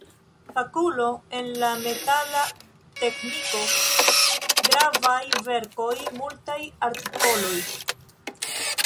Fakulo en la metala tekniko; gravaj verkoj, multaj artikoloj.